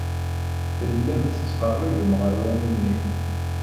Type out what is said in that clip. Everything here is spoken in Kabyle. Tellam tettqerribem ɣer wanu-nni.